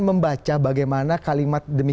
membaca bagaimana kalimat demi